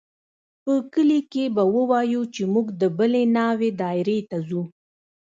په کلي کښې به ووايو چې موږ د بلې ناوې دايرې ته ځو.